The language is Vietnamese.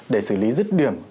để xử lý rít điểm